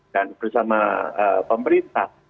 dan bersama pemerintah